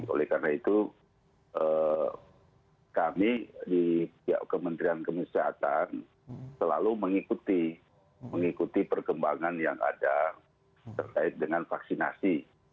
oleh karena itu kami di pihak kementerian kesehatan selalu mengikuti perkembangan yang ada terkait dengan vaksinasi